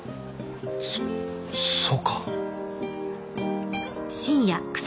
そっそうか。